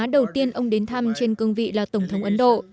đầu tiên ông đến thăm trên cương vị là tổng thống ấn độ